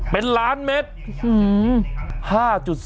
เป็นล้านเมตร